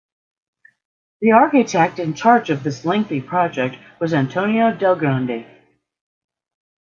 The architect in charge of this lengthy project was Antonio Del Grande.